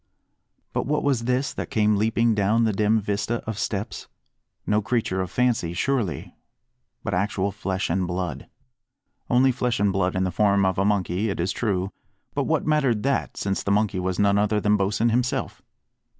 But what was this that came leaping down the dim vista of steps? No creature of fancy surely, but actual flesh and blood. Only flesh and blood in the form of a monkey, it is true, but what mattered that, since the monkey was none other than Bosin himself?